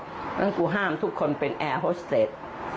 เพราะฉะนั้นกูห้ามทุกคนเป็นแอร์โฮสเตจ